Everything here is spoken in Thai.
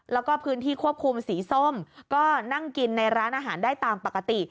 แล้วก็พื้นที่ควบคุมสีส้มก็นั่งกินในร้านอาหารได้ตามปกติ